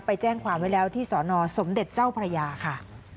ไปแจ้งความไว้แล้วที่สนสมเด็จเจ้าพระยาค่ะ